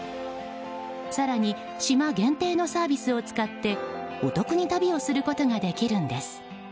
更に島限定のサービスを使ってお得に旅をすることができるんです。